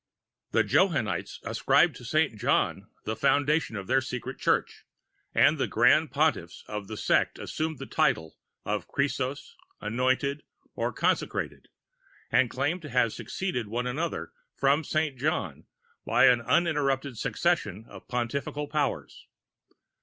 "The Johannites ascribed to Saint John the foundation of their Secret Church, and the Grand Pontiffs of the Sect assumed the title of Christos, Anointed, or Consecrated, and claimed to have succeeded one another from Saint John by an uninterrupted succession of pontifical powers.